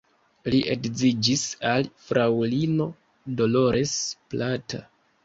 Li edziĝis al fraŭlino Dolores Plata.